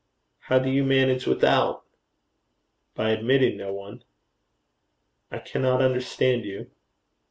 'How do you manage without?' 'By admitting no one.' 'I cannot understand you.'